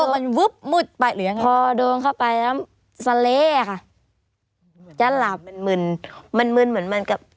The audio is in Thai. มันวึบมืดไปหรือยังไงพอโดนเข้าไปแล้วเสล่อ่ะค่ะจะหลับมันมึนมันมึนเหมือนมันกับ